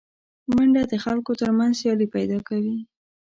منډه د خلکو تر منځ سیالي پیدا کوي